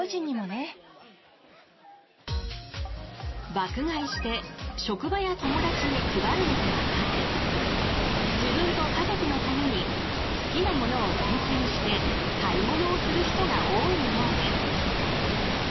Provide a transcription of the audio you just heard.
爆買いして職場や友達に配るのではなく自分と家族のために好きなものを厳選して買い物をする人が多いようです。